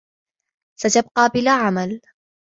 ستبقى بلا عمل.